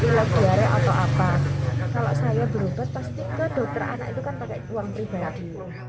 ilang diare atau apa kalau saya berubah pasti ke dokter anak itu kan pakai